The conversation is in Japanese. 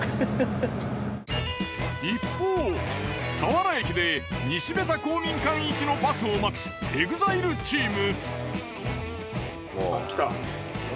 一方佐原駅で西部田公民館行きのバスを待つＥＸＩＬＥチーム。